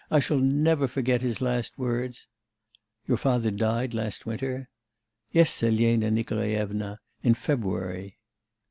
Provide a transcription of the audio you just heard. I shall never forget his last words.'... 'Your father died last winter?' 'Yes, Elena Nikolaevna, in February.